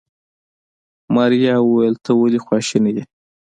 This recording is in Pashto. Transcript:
ماريا وويل ته ولې خواشيني يې.